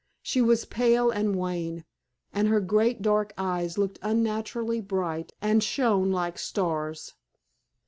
She was pale and wan, and her great dark eyes looked unnaturally bright, and shone like stars.